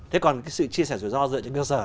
thế còn cái sự chia sẻ rủi ro dựa trên cơ sở